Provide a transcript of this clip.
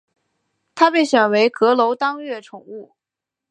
他被选为阁楼当月宠物。